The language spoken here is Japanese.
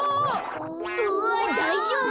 うわっだいじょうぶ？